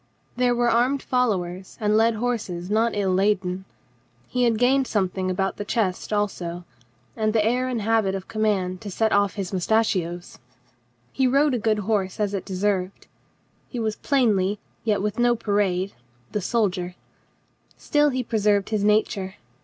There were armed followers and led horses not ill laden. He had gained something about the chest also, and the air and habit of command to set off his moustachios. He rode a good horse as it' de served. He was plainly, yet with no parade, the sol dier. Still he preserved his nature.